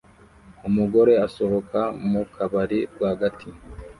Umugore asohoka mu kabari rwagati